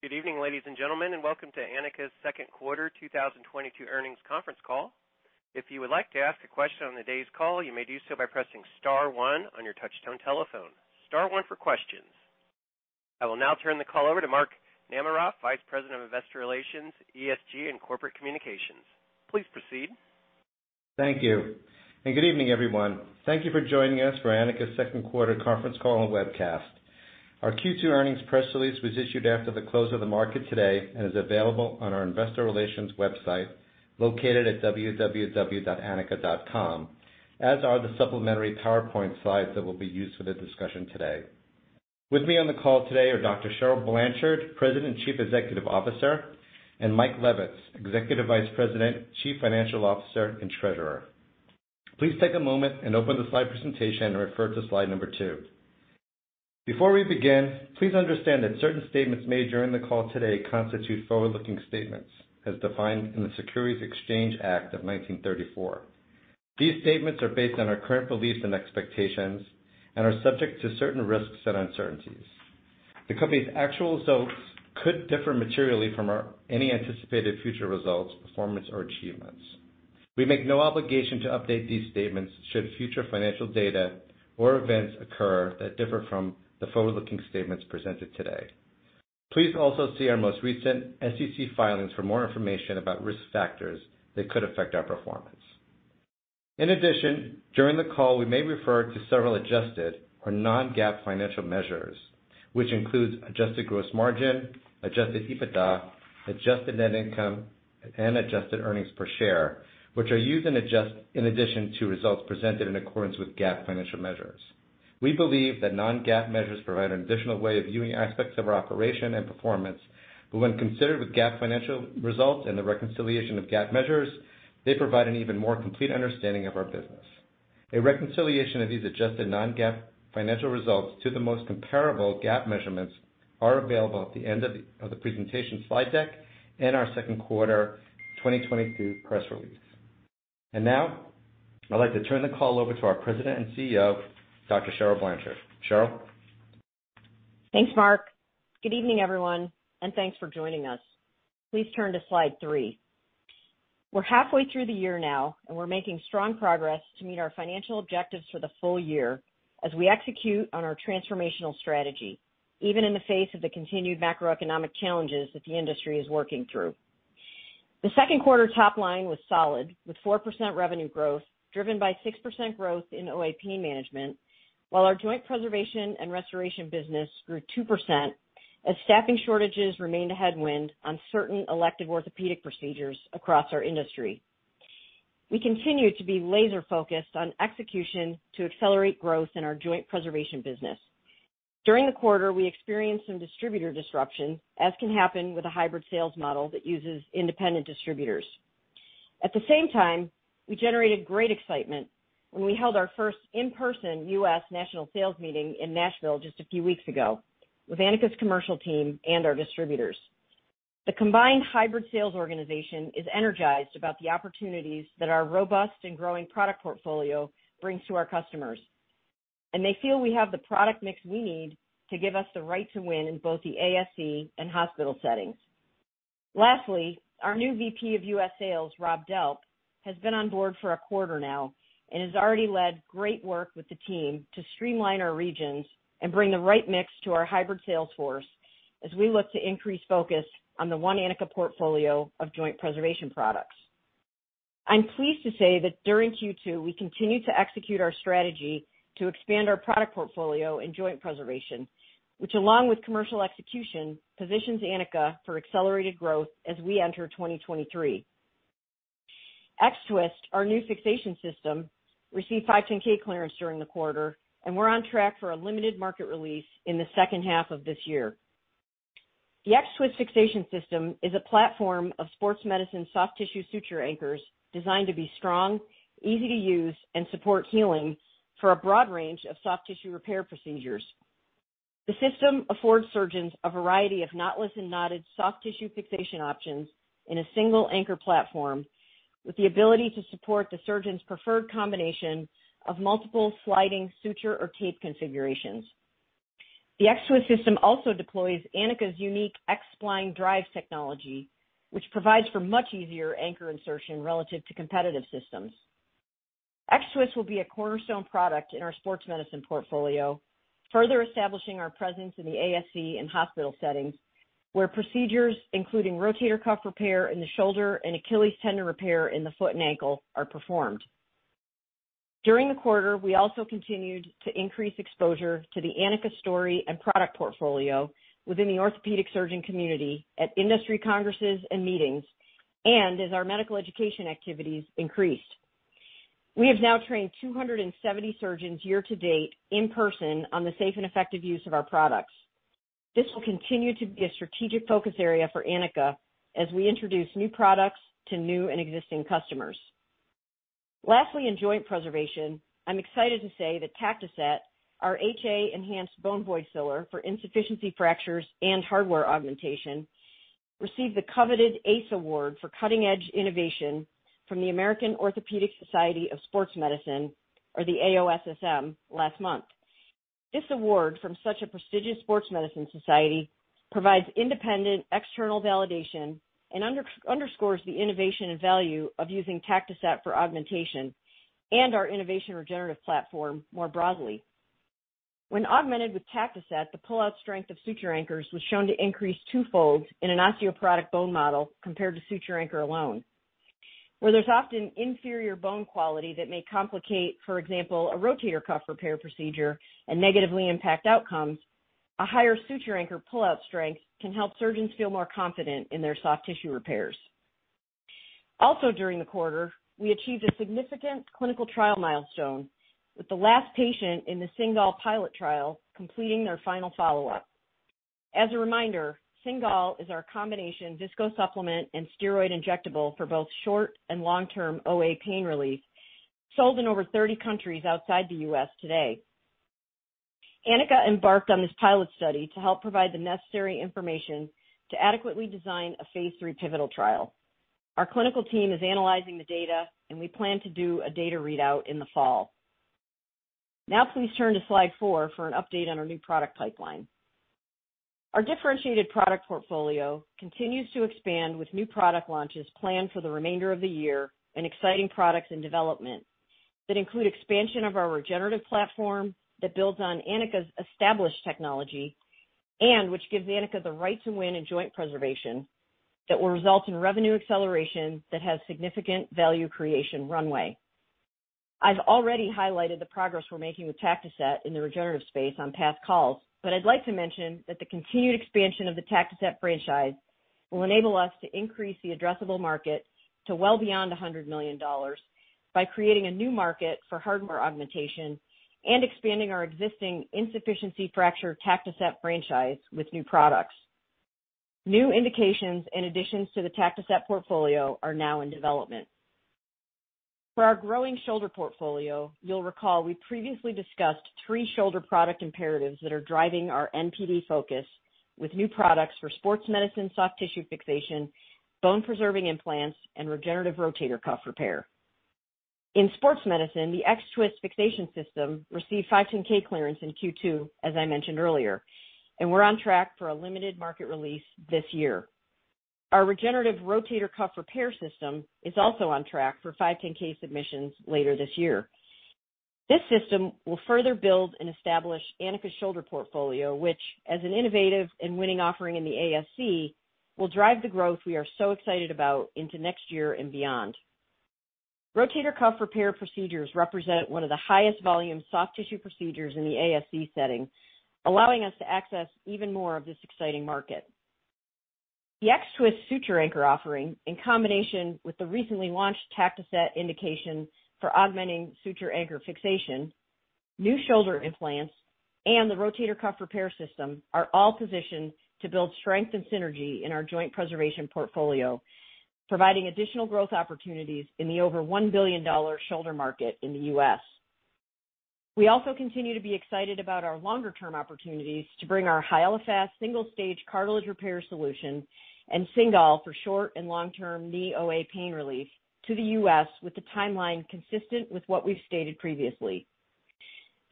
Good evening, ladies and gentlemen, and welcome to Anika's second quarter 2022 earnings conference call. If you would like to ask a question on the day's call, you may do so by pressing star one on your touchtone telephone. Star one for questions. I will now turn the call over to Mark Namaroff, Vice President of Investor Relations, ESG, and Corporate Communications. Please proceed. Thank you, and good evening, everyone. Thank you for joining us for Anika's second quarter conference call and webcast. Our Q2 earnings press release was issued after the close of the market today and is available on our Investor Relations website located at www.anika.com, as are the supplementary PowerPoint slides that will be used for the discussion today. With me on the call today are Dr. Cheryl Blanchard, President and Chief Executive Officer, and Michael Levitz, Executive Vice President, Chief Financial Officer, and Treasurer. Please take a moment and open the slide presentation and refer to slide number two. Before we begin, please understand that certain statements made during the call today constitute forward-looking statements as defined in the Securities Exchange Act of 1934. These statements are based on our current beliefs and expectations and are subject to certain risks and uncertainties. The company's actual results could differ materially from any anticipated future results, performance, or achievements. We make no obligation to update these statements should future financial data or events occur that differ from the forward-looking statements presented today. Please also see our most recent SEC filings for more information about risk factors that could affect our performance. In addition, during the call, we may refer to several adjusted or non-GAAP financial measures, which includes adjusted gross margin, adjusted EBITDA, adjusted net income, and adjusted earnings per share, which are used in addition to results presented in accordance with GAAP financial measures. We believe that non-GAAP measures provide an additional way of viewing aspects of our operation and performance, but when considered with GAAP financial results and the reconciliation of GAAP measures, they provide an even more complete understanding of our business. A reconciliation of these adjusted non-GAAP financial results to the most comparable GAAP measurements are available at the end of the presentation slide deck and our second quarter 2022 press release. Now I'd like to turn the call over to our President and CEO, Dr. Cheryl Blanchard. Cheryl? Thanks, Mark. Good evening, everyone, and thanks for joining us. Please turn to slide three. We're halfway through the year now, and we're making strong progress to meet our financial objectives for the full year as we execute on our transformational strategy, even in the face of the continued macroeconomic challenges that the industry is working through. The second quarter top line was solid, with 4% revenue growth driven by 6% growth in OA pain management, while our joint preservation and restoration business grew 2% as staffing shortages remained a headwind on certain elective orthopedic procedures across our industry. We continue to be laser-focused on execution to accelerate growth in our joint preservation business. During the quarter, we experienced some distributor disruption, as can happen with a hybrid sales model that uses independent distributors. At the same time, we generated great excitement when we held our first in-person U.S. national sales meeting in Nashville just a few weeks ago with Anika's commercial team and our distributors. The combined hybrid sales organization is energized about the opportunities that our robust and growing product portfolio brings to our customers, and they feel we have the product mix we need to give us the right to win in both the ASC and hospital settings. Lastly, our new VP of US Sales, Rob Delp, has been on board for a quarter now and has already led great work with the team to streamline our regions and bring the right mix to our hybrid sales force as we look to increase focus on the one Anika portfolio of joint preservation products. I'm pleased to say that during Q2, we continued to execute our strategy to expand our product portfolio in joint preservation, which, along with commercial execution, positions Anika for accelerated growth as we enter 2023. X-Twist, our new fixation system, received 510(k) clearance during the quarter, and we're on track for a limited market release in the second half of this year. The X-Twist fixation system is a platform of sports medicine soft tissue suture anchors designed to be strong, easy to use, and support healing for a broad range of soft tissue repair procedures. The system affords surgeons a variety of knotless and knotted soft tissue fixation options in a single anchor platform with the ability to support the surgeon's preferred combination of multiple sliding suture or tape configurations. The X-Twist system also deploys Anika's unique X-Spline drive technology, which provides for much easier anchor insertion relative to competitive systems. X-Twist will be a cornerstone product in our sports medicine portfolio, further establishing our presence in the ASC and hospital settings, where procedures including rotator cuff repair in the shoulder and Achilles tendon repair in the foot and ankle are performed. During the quarter, we also continued to increase exposure to the Anika story and product portfolio within the orthopedic surgeon community at industry congresses and meetings, and as our medical education activities increased. We have now trained 270 surgeons year to date in person on the safe and effective use of our products. This will continue to be a strategic focus area for Anika as we introduce new products to new and existing customers. Lastly, in joint preservation, I'm excited to say that Tactoset, our HA-enhanced bone void filler for insufficiency fractures and hardware augmentation, received the coveted ACE Award for cutting-edge innovation from the American Orthopaedic Society for Sports Medicine, or the AOSSM, last month. This award from such a prestigious sports medicine society provides independent external validation and underscores the innovation and value of using Tactoset for augmentation and our innovative regenerative platform more broadly. When augmented with Tactoset, the pullout strength of suture anchors was shown to increase two-fold in an osteoporotic bone model compared to suture anchor alone. Where there's often inferior bone quality that may complicate, for example, a rotator cuff repair procedure and negatively impact outcomes, a higher suture anchor pullout strength can help surgeons feel more confident in their soft tissue repairs. Also during the quarter, we achieved a significant clinical trial milestone, with the last patient in the Cingal pilot trial completing their final follow-up. As a reminder, Cingal is our combination viscosupplement and steroid injectable for both short and long-term OA pain relief, sold in over 30 countries outside the U.S. today. Anika embarked on this pilot study to help provide the necessary information to adequately design a phase III pivotal trial. Our clinical team is analyzing the data, and we plan to do a data readout in the fall. Now please turn to slide four for an update on our new product pipeline. Our differentiated product portfolio continues to expand with new product launches planned for the remainder of the year, and exciting products in development that include expansion of our regenerative platform that builds on Anika's established technology, and which gives Anika the right to win in joint preservation that will result in revenue acceleration that has significant value creation runway. I've already highlighted the progress we're making with Tactoset in the regenerative space on past calls, but I'd like to mention that the continued expansion of the Tactoset franchise will enable us to increase the addressable market to well beyond $100 million by creating a new market for hardware augmentation and expanding our existing insufficiency fracture Tactoset franchise with new products. New indications and additions to the Tactoset portfolio are now in development. For our growing shoulder portfolio, you'll recall we previously discussed three shoulder product imperatives that are driving our NPD focus with new products for sports medicine, soft tissue fixation, bone preserving implants, and regenerative rotator cuff repair. In sports medicine, the X-Twist fixation system received 510(k) clearance in Q2, as I mentioned earlier, and we're on track for a limited market release this year. Our regenerative rotator cuff repair system is also on track for 510(k) submissions later this year. This system will further build and establish Anika's shoulder portfolio, which as an innovative and winning offering in the ASC, will drive the growth we are so excited about into next year and beyond. Rotator cuff repair procedures represent one of the highest volume soft tissue procedures in the ASC setting, allowing us to access even more of this exciting market. The X-Twist suture anchor offering, in combination with the recently launched Tactoset indication for augmenting suture anchor fixation, new shoulder implants, and the rotator cuff repair system are all positioned to build strength and synergy in our joint preservation portfolio, providing additional growth opportunities in the over $1 billion shoulder market in the US. We also continue to be excited about our longer-term opportunities to bring our Hyalofast single-stage cartilage repair solution and Cingal for short- and long-term knee OA pain relief to the U.S. with the timeline consistent with what we've stated previously.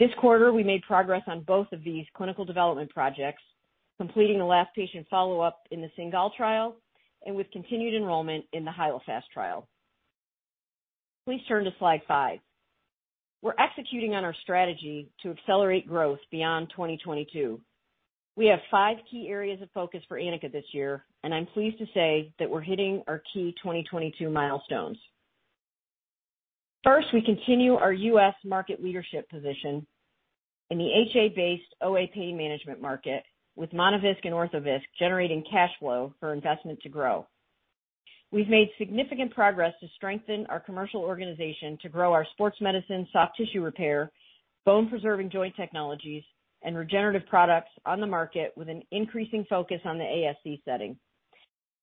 This quarter, we made progress on both of these clinical development projects, completing the last patient follow-up in the Cingal trial and with continued enrollment in the Hyalofast trial. Please turn to slide five. We're executing on our strategy to accelerate growth beyond 2022. We have five key areas of focus for Anika this year, and I'm pleased to say that we're hitting our key 2022 milestones. First, we continue our US market leadership position in the HA-based OA pain management market with Monovisc and Orthovisc generating cash flow for investment to grow. We've made significant progress to strengthen our commercial organization to grow our sports medicine soft tissue repair, bone preserving joint technologies, and regenerative products on the market with an increasing focus on the ASC setting.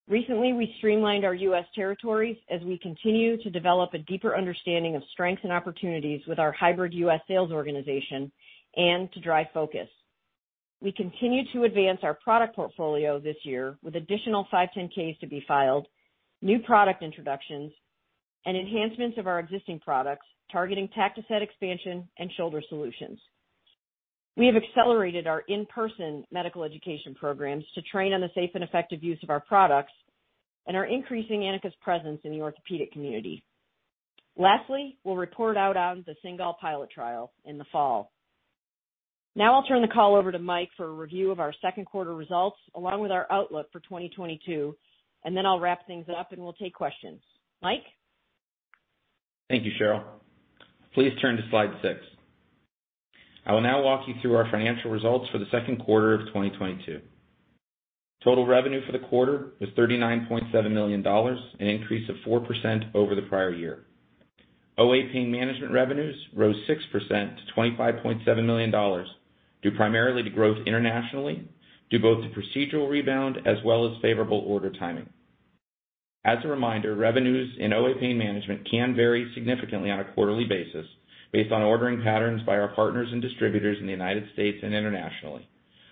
Recently, we streamlined our U.S. territories as we continue to develop a deeper understanding of strengths and opportunities with our hybrid US Sales organization and to drive focus. We continue to advance our product portfolio this year with additional five 510(k)s to be filed, new product introductions, and enhancements of our existing products targeting Tactoset expansion and shoulder solutions. We have accelerated our in-person medical education programs to train on the safe and effective use of our products and are increasing Anika's presence in the orthopedic community. Lastly, we'll report out on the Cingal pilot trial in the fall. Now I'll turn the call over to Mike for a review of our second quarter results along with our outlook for 2022, and then I'll wrap things up, and we'll take questions. Mike? Thank you, Cheryl. Please turn to slide six. I will now walk you through our financial results for the second quarter of 2022. Total revenue for the quarter was $39.7 million, an increase of 4% over the prior year. OA Pain Management revenues rose 6% to $25.7 million, due primarily to growth internationally due both to procedural rebound as well as favorable order timing. As a reminder, revenues in OA Pain Management can vary significantly on a quarterly basis based on ordering patterns by our partners and distributors in the United States and internationally,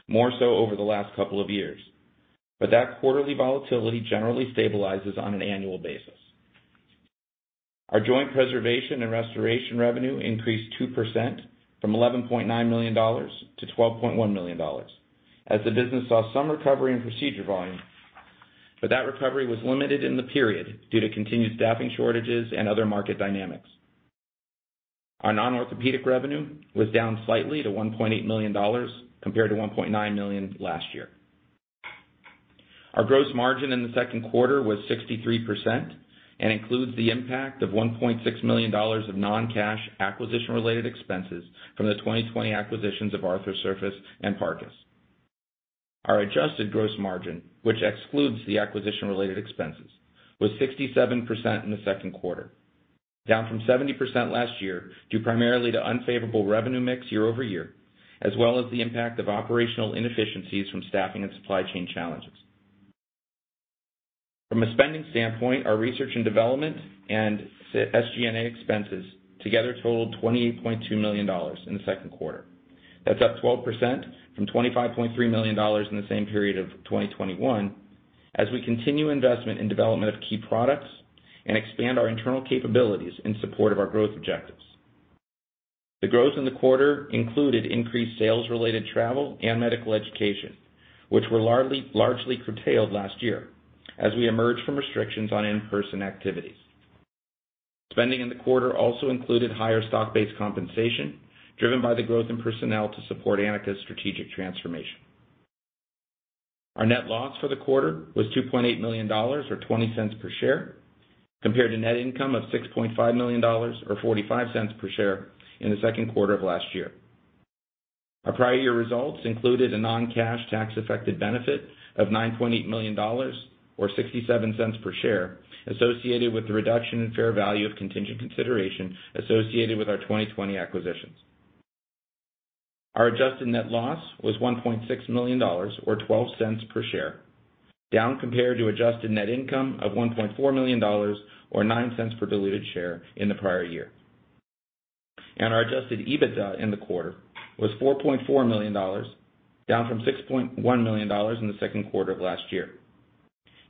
more so over the last couple of years. That quarterly volatility generally stabilizes on an annual basis. Our Joint Preservation and Restoration revenue increased 2% from $11.9 million to $12.1 million as the business saw some recovery in procedure volume. That recovery was limited in the period due to continued staffing shortages and other market dynamics. Our Non-Orthopedic revenue was down slightly to $1.8 million compared to $1.9 million last year. Our gross margin in the second quarter was 63% and includes the impact of $1.6 million of non-cash acquisition-related expenses from the 2020 acquisitions of Arthrosurface and Parcus Medical. Our adjusted gross margin, which excludes the acquisition-related expenses, was 67% in the second quarter, down from 70% last year, due primarily to unfavorable revenue mix year-over-year, as well as the impact of operational inefficiencies from staffing and supply chain challenges. From a spending standpoint, our research and development and SG&A expenses together totaled $28.2 million in the second quarter. That's up 12% from $25.3 million in the same period of 2021, as we continue investment in development of key products and expand our internal capabilities in support of our growth objectives. The growth in the quarter included increased sales related travel and medical education, which were largely curtailed last year as we emerge from restrictions on in-person activities. Spending in the quarter also included higher stock-based compensation driven by the growth in personnel to support Anika's strategic transformation. Our net loss for the quarter was $2.8 million or $0.20 per share, compared to net income of $6.5 million or $0.45 per share in the second quarter of last year. Our prior year results included a non-cash tax affected benefit of $9.8 million or $0.67 per share associated with the reduction in fair value of contingent consideration associated with our 2020 acquisitions. Our adjusted net loss was $1.6 million or $0.12 per share, down compared to adjusted net income of $1.4 million or $0.9 per diluted share in the prior year. Our adjusted EBITDA in the quarter was $4.4 million, down from $6.1 million in the second quarter of last year.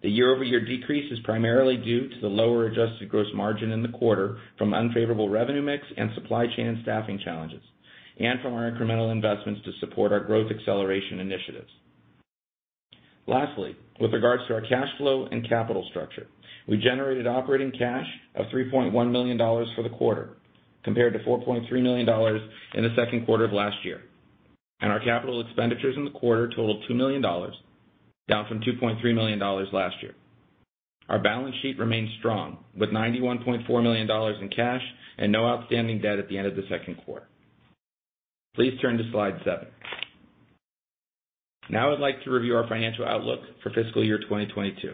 The year-over-year decrease is primarily due to the lower adjusted gross margin in the quarter from unfavorable revenue mix and supply chain and staffing challenges, and from our incremental investments to support our growth acceleration initiatives. Lastly, with regards to our cash flow and capital structure, we generated operating cash of $3.1 million for the quarter, compared to $4.3 million in the second quarter of last year. Our capital expenditures in the quarter totaled $2 million, down from $2.3 million last year. Our balance sheet remains strong, with $91.4 million in cash and no outstanding debt at the end of the second quarter. Please turn to slide seven. Now I'd like to review our financial outlook for fiscal year 2022.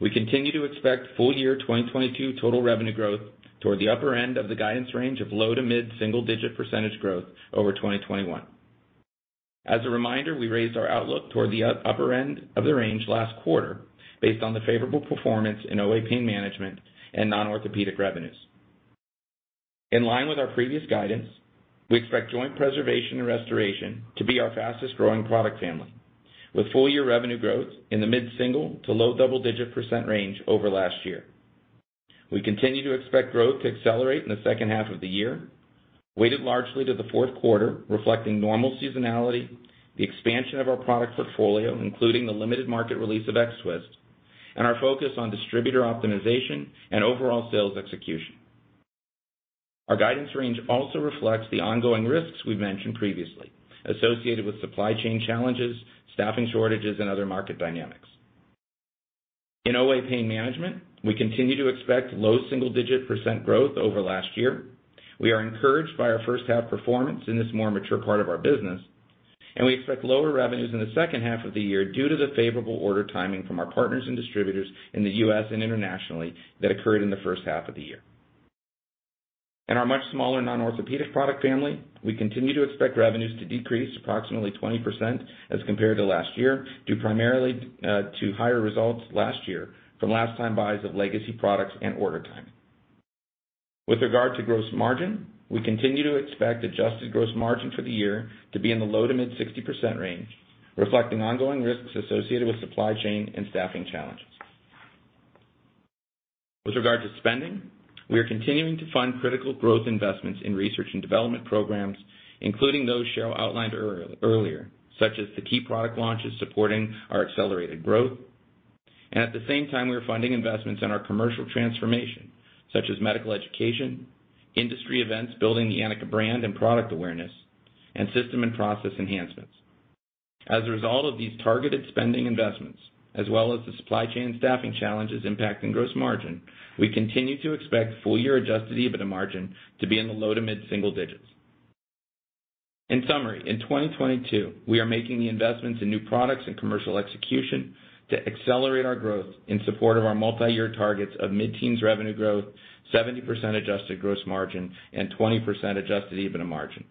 We continue to expect full year 2022 total revenue growth toward the upper end of the guidance range of low- to mid-single-digit % growth over 2021. As a reminder, we raised our outlook toward the upper end of the range last quarter based on the favorable performance in OA Pain Management and Non-Orthopedic revenues. In line with our previous guidance, we expect Joint Preservation and Restoration to be our fastest growing product family, with full year revenue growth in the mid-single- to low-double-digit % range over last year. We continue to expect growth to accelerate in the second half of the year, weighted largely to the fourth quarter, reflecting normal seasonality, the expansion of our product portfolio, including the limited market release of X-Twist and our focus on distributor optimization and overall sales execution. Our guidance range also reflects the ongoing risks we've mentioned previously associated with supply chain challenges, staffing shortages, and other market dynamics. In OA Pain Management, we continue to expect low single-digit % growth over last year. We are encouraged by our first half performance in this more mature part of our business, and we expect lower revenues in the second half of the year due to the favorable order timing from our partners and distributors in the U.S. and internationally that occurred in the first half of the year. In our much smaller Non-Orthopedic product family, we continue to expect revenues to decrease approximately 20% as compared to last year, due primarily to higher results last year from last time buys of legacy products and order timing. With regard to gross margin, we continue to expect adjusted gross margin for the year to be in the low-to-mid 60% range, reflecting ongoing risks associated with supply chain and staffing challenges. With regard to spending, we are continuing to fund critical growth investments in research and development programs, including those Cheryl outlined earlier, such as the key product launches supporting our accelerated growth. At the same time, we are funding investments in our commercial transformation, such as medical education, industry events, building the Anika brand and product awareness, and system and process enhancements. As a result of these targeted spending investments, as well as the supply chain and staffing challenges impacting gross margin, we continue to expect full year adjusted EBITDA margin to be in the low to mid single digits. In summary, in 2022, we are making the investments in new products and commercial execution to accelerate our growth in support of our multi-year targets of mid-teens revenue growth, 70% adjusted gross margin and 20% adjusted EBITDA margin.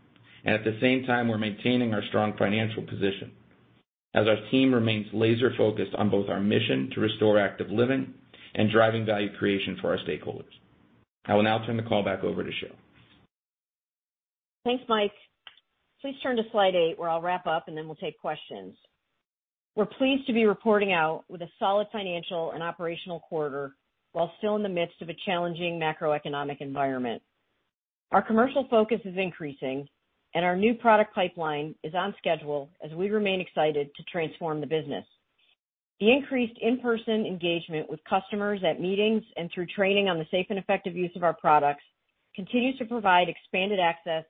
At the same time, we're maintaining our strong financial position as our team remains laser-focused on both our mission to restore active living and driving value creation for our stakeholders. I will now turn the call back over to Cheryl. Thanks, Mike. Please turn to slide eight, where I'll wrap up, and then we'll take questions. We're pleased to be reporting out with a solid financial and operational quarter while still in the midst of a challenging macroeconomic environment. Our commercial focus is increasing, and our new product pipeline is on schedule as we remain excited to transform the business. The increased in-person engagement with customers at meetings and through training on the safe and effective use of our products continues to provide expanded access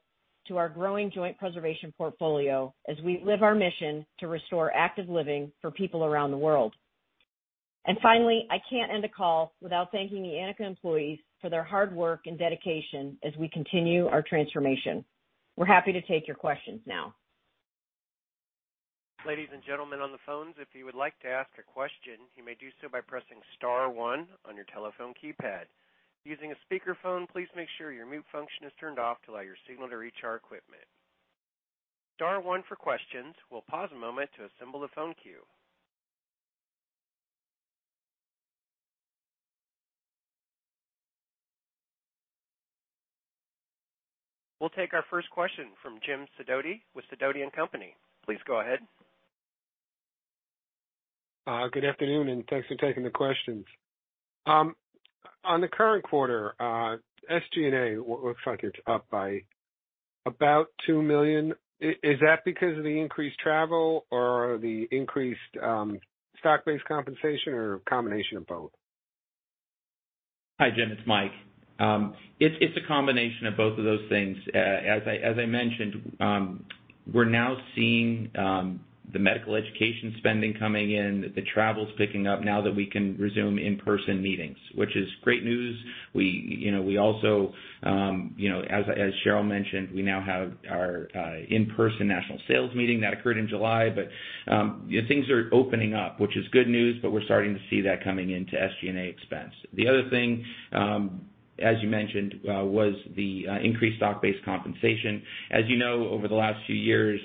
to our growing joint preservation portfolio as we live our mission to restore active living for people around the world. Finally, I can't end the call without thanking the Anika employees for their hard work and dedication as we continue our transformation. We're happy to take your questions now. Ladies and gentlemen on the phones, if you would like to ask a question, you may do so by pressing star one on your telephone keypad. Using a speakerphone, please make sure your mute function is turned off to allow your signal to reach our equipment. Star one for questions. We'll pause a moment to assemble the phone queue. We'll take our first question from Jim Sidoti with Sidoti & Company. Please go ahead. Good afternoon, and thanks for taking the questions. On the current quarter, SG&A, it looks like it's up by about $2 million. Is that because of the increased travel or the increased stock-based compensation or a combination of both? Hi, Jim, it's Mike. It's a combination of both of those things. As I mentioned, we're now seeing the medical education spending coming in. The travel's picking up now that we can resume in-person meetings, which is great news. We also, you know, as Cheryl mentioned, we now have our in-person national sales meeting that occurred in July. Things are opening up, which is good news, but we're starting to see that coming into SG&A expense. The other thing, as you mentioned, was the increased stock-based compensation. As you know, over the last few years,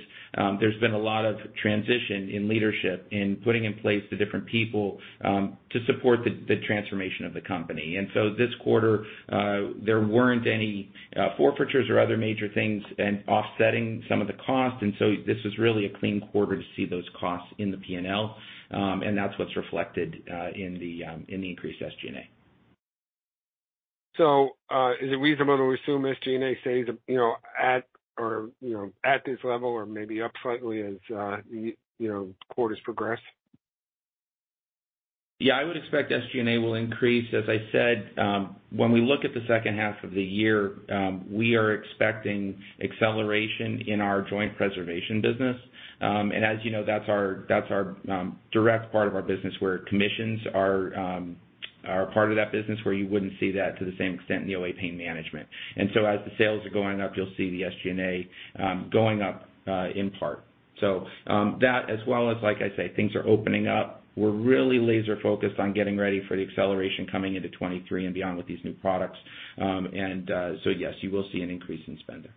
there's been a lot of transition in leadership in putting in place the different people to support the transformation of the company. This quarter, there weren't any forfeitures or other major things and offsetting some of the costs, and so this was really a clean quarter to see those costs in the P&L, and that's what's reflected in the increased SG&A. Is it reasonable to assume SG&A stays, you know, at or, you know, at this level or maybe up slightly as, you know, quarters progress? Yeah, I would expect SG&A will increase. As I said, when we look at the second half of the year, we are expecting acceleration in our joint preservation business. As you know, that's our direct part of our business where commissions are part of that business where you wouldn't see that to the same extent in the OA pain management. As the sales are going up, you'll see the SG&A going up in part. That as well as, like I say, things are opening up. We're really laser-focused on getting ready for the acceleration coming into 2023 and beyond with these new products. Yes, you will see an increase in spend there.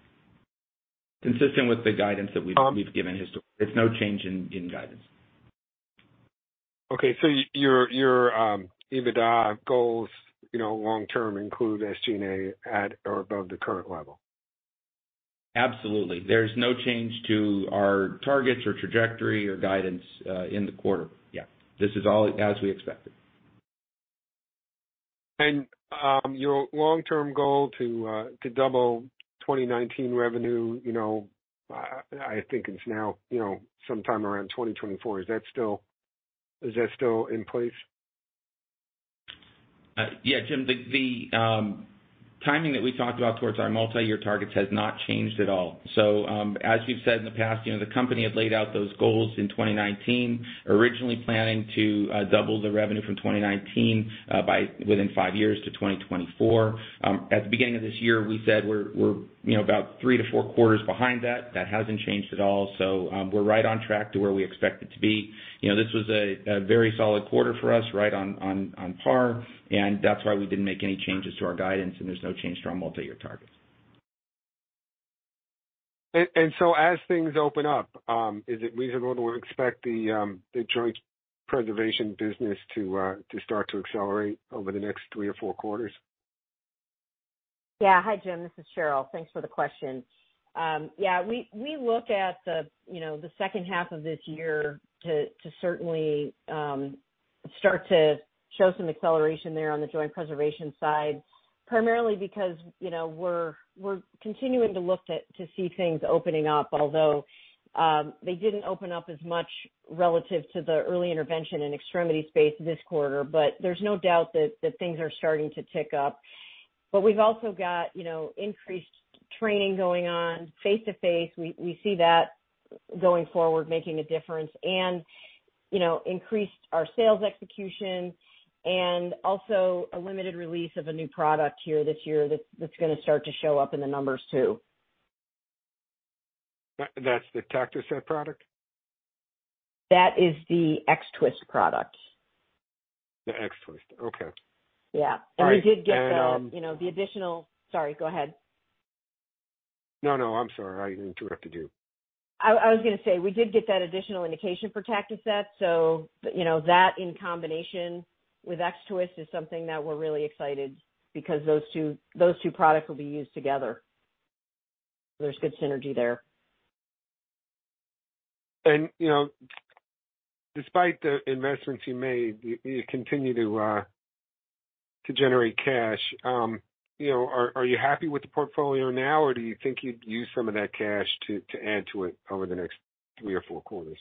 Consistent with the guidance that we've given historically. There's no change in guidance. Okay, your EBITDA goals, you know, long-term include SG&A at or above the current level? Absolutely. There's no change to our targets or trajectory or guidance in the quarter. Yeah, this is all as we expected. Your long-term goal to double 2019 revenue, you know, I think it's now, you know, sometime around 2024. Is that still in place? Yeah, Jim, the timing that we talked about towards our multi-year targets has not changed at all. As we've said in the past, you know, the company had laid out those goals in 2019, originally planning to double the revenue from 2019 within five years to 2024. At the beginning of this year, we said we're, you know, about three to four quarters behind that. That hasn't changed at all. We're right on track to where we expect it to be. You know, this was a very solid quarter for us, right on par, and that's why we didn't make any changes to our guidance, and there's no change to our multi-year targets. As things open up, is it reasonable to expect the joint preservation business to start to accelerate over the next three or four quarters? Yeah. Hi, Jim. This is Cheryl. Thanks for the question. Yeah, we look at the, you know, the second half of this year to certainly start to show some acceleration there on the joint preservation side, primarily because, you know, we're continuing to look to see things opening up. Although they didn't open up as much relative to the early intervention in extremity space this quarter. There's no doubt that things are starting to tick up. We've also got, you know, increased training going on face to face. We see that going forward making a difference and, you know, increased our sales execution and also a limited release of a new product here this year that's gonna start to show up in the numbers too. That's the Tactoset product? That is the X-Twist product. The X-Twist. Okay. Yeah. All right. We did get the, you know, the additional. Sorry, go ahead. No, no, I'm sorry. I interrupt you. I was gonna say, we did get that additional indication for Tactoset. You know, that in combination with X-Twist is something that we're really excited because those two products will be used together. There's good synergy there. You know, despite the investments you made, you continue to generate cash. You know, are you happy with the portfolio now, or do you think you'd use some of that cash to add to it over the next three or four quarters?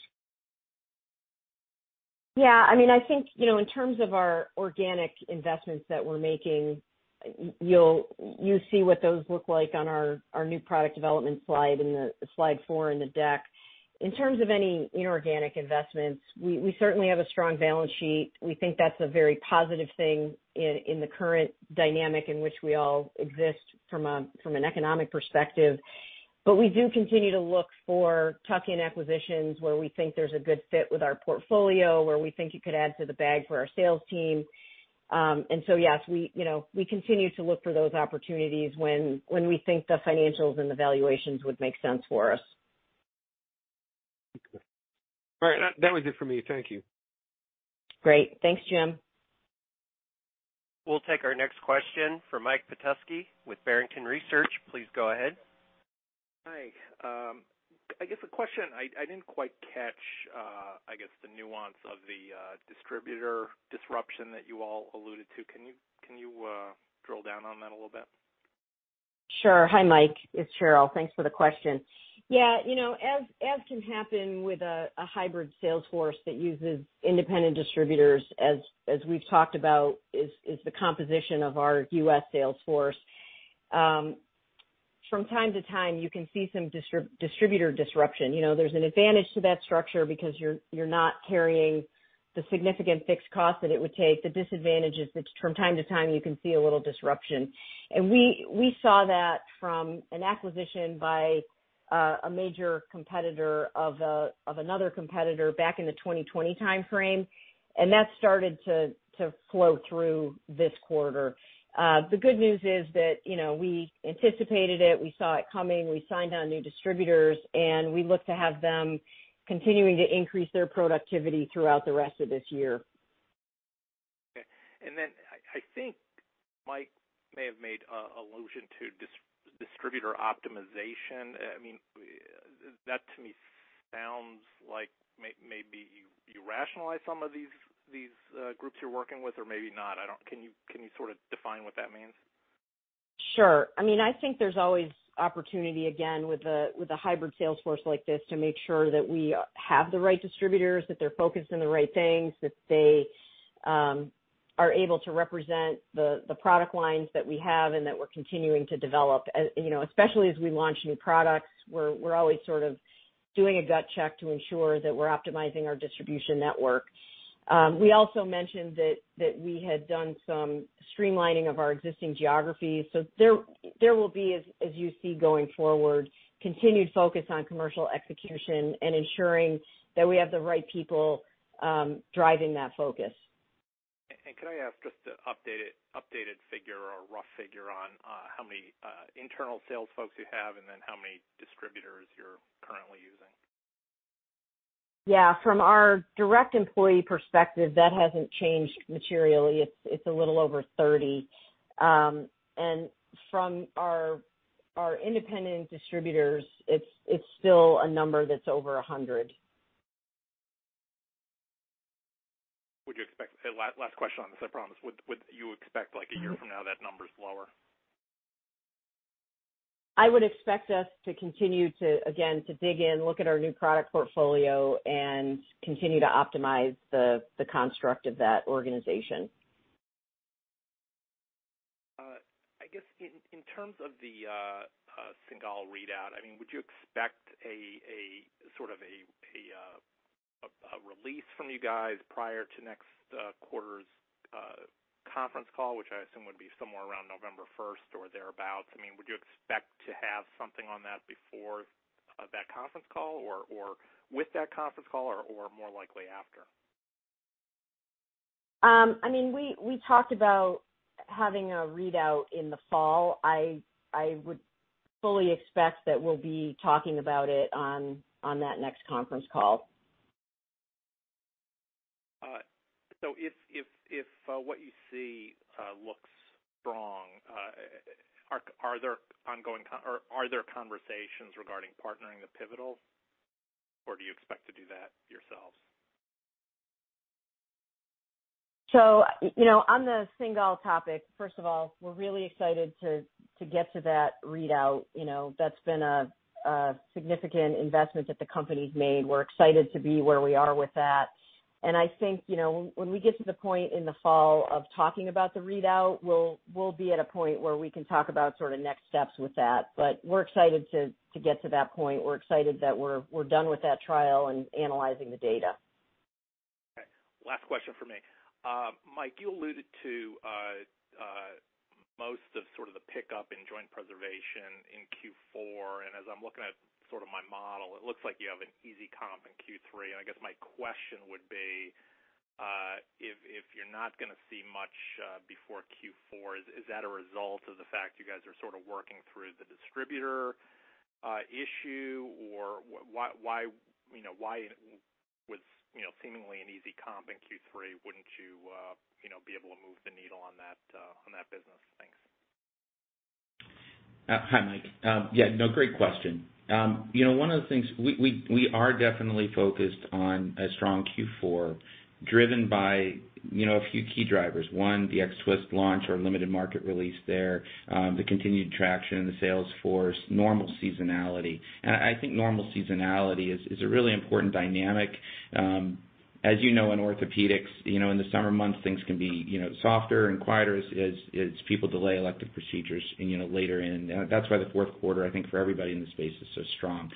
Yeah, I mean, I think, you know, in terms of our organic investments that we're making, you'll see what those look like on our new product development slide. It's slide four in the deck. In terms of any inorganic investments, we certainly have a strong balance sheet. We think that's a very positive thing in the current dynamic in which we all exist from an economic perspective. We do continue to look for tuck-in acquisitions where we think there's a good fit with our portfolio, where we think it could add to the bag for our sales team. Yes, you know, we continue to look for those opportunities when we think the financials and the valuations would make sense for us. Okay. All right. That was it for me. Thank you. Great. Thanks, Jim. We'll take our next question from Mike Petusky with Barrington Research. Please go ahead. Hi. I guess a question I didn't quite catch, I guess the nuance of the distributor disruption that you all alluded to. Can you drill down on that a little bit? Sure. Hi, Mike, it's Cheryl. Thanks for the question. Yeah. You know, as can happen with a hybrid sales force that uses independent distributors as we've talked about is the composition of our US Sales force. From time to time, you can see some distributor disruption. You know, there's an advantage to that structure because you're not carrying the significant fixed cost that it would take. The disadvantage is that from time to time, you can see a little disruption. We saw that from an acquisition by a major competitor of another competitor back in the 2020 timeframe, and that started to flow through this quarter. The good news is that, you know, we anticipated it, we saw it coming. We signed on new distributors, and we look to have them continuing to increase their productivity throughout the rest of this year. Okay. I think Mike may have made a allusion to distributor optimization. I mean, that to me sounds like maybe you rationalize some of these groups you're working with or maybe not. Can you sort of define what that means? Sure. I mean, I think there's always opportunity, again, with a hybrid sales force like this to make sure that we have the right distributors, that they're focused on the right things, that they are able to represent the product lines that we have and that we're continuing to develop. You know, especially as we launch new products, we're always sort of doing a gut check to ensure that we're optimizing our distribution network. We also mentioned that we had done some streamlining of our existing geographies. There will be, as you see going forward, continued focus on commercial execution and ensuring that we have the right people driving that focus. Could I ask just an updated figure or a rough figure on how many internal sales folks you have and then how many distributors you're currently using? Yeah. From our direct employee perspective, that hasn't changed materially. It's a little over 30. From our independent distributors, it's still a number that's over 100. Last question on this, I promise. Would you expect like a year from now that number's lower? I would expect us to continue to again dig in, look at our new product portfolio, and continue to optimize the construct of that organization. I guess in terms of the Cingal readout, I mean, would you expect a sort of a release from you guys prior to next quarter's conference call, which I assume would be somewhere around November first or thereabout? I mean, would you expect to have something on that before that conference call or with that conference call or more likely after? I mean, we talked about having a readout in the fall. I would fully expect that we'll be talking about it on that next conference call. If what you see looks strong, are there ongoing conversations regarding partnering the pivotal, or do you expect to do that yourselves? You know, on the Cingal topic, first of all, we're really excited to get to that readout. You know, that's been a significant investment that the company's made. We're excited to be where we are with that. I think, you know, when we get to the point in the fall of talking about the readout, we'll be at a point where we can talk about sort of next steps with that. We're excited to get to that point. We're excited that we're done with that trial and analyzing the data. Okay, last question for me. Mike, you alluded to most of sort of the pickup in joint preservation in Q4. As I'm looking at sort of my model, it looks like you have an easy comp in Q3. I guess my question would be, if you're not gonna see much before Q4, is that a result of the fact you guys are sorta working through the distributor issue? Or why, you know, why was, you know, seemingly an easy comp in Q3 wouldn't you know, be able to move the needle on that business? Thanks. Hi, Mike. Yeah, no, great question. You know, one of the things—we are definitely focused on a strong Q4 driven by, you know, a few key drivers. One, the X-Twist launch or limited market release there, the continued traction in the sales force, normal seasonality. I think normal seasonality is a really important dynamic. As you know, in orthopedics, you know, in the summer months, things can be, you know, softer and quieter as people delay elective procedures, you know, later in. That's why the fourth quarter, I think, for everybody in the space is so strong.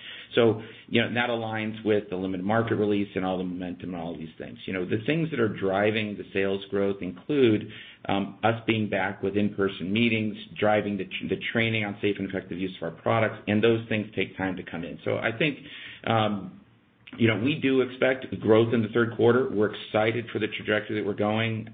You know, and that aligns with the limited market release and all the momentum and all these things. You know, the things that are driving the sales growth include us being back with in-person meetings, driving the training on safe and effective use of our products, and those things take time to come in. I think, you know, we do expect growth in the third quarter. We're excited for the trajectory that we're going.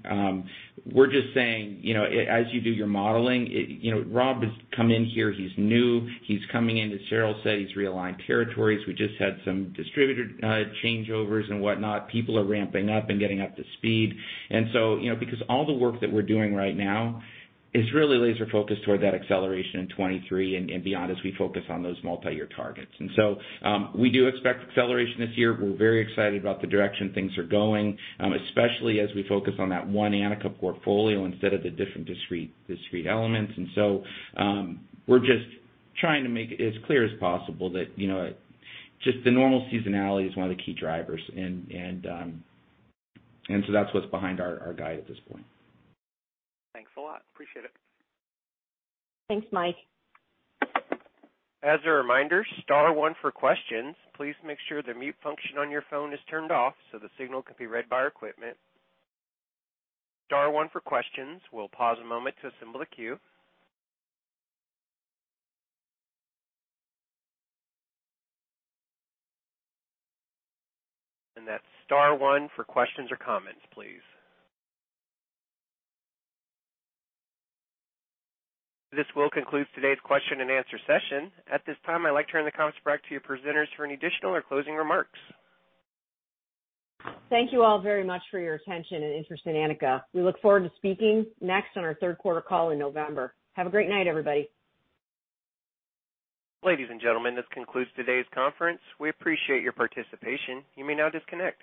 We're just saying, you know, as you do your modeling. You know, Rob has come in here, he's new, he's coming in. As Cheryl said, he's realigned territories. We just had some distributor changeovers and whatnot. People are ramping up and getting up to speed. You know, because all the work that we're doing right now is really laser focused toward that acceleration in 2023 and beyond as we focus on those multi-year targets. We do expect acceleration this year. We're very excited about the direction things are going, especially as we focus on that one Anika portfolio instead of the different discrete elements. We're just trying to make it as clear as possible that, you know, just the normal seasonality is one of the key drivers. That's what's behind our guide at this point. Thanks a lot. Appreciate it. Thanks, Mike. As a reminder, star one for questions. Please make sure the mute function on your phone is turned off so the signal can be read by our equipment. Star one for questions. We'll pause a moment to assemble the queue. That's star one for questions or comments, please. This will conclude today's question and answer session. At this time, I'd like to turn the conference back to your presenters for any additional or closing remarks. Thank you all very much for your attention and interest in Anika. We look forward to speaking next on our third quarter call in November. Have a great night, everybody. Ladies and gentlemen, this concludes today's conference. We appreciate your participation. You may now disconnect.